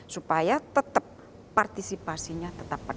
supaya tetap partisipasinya tetap penuh